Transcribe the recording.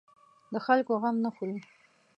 د خلکو غم نه خوري.